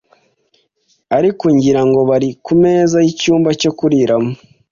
ariko ngira ngo bari kumeza yicyumba cyo kuriramo.